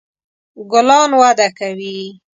ګلان وده کوي